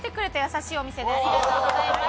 ありがとうございます。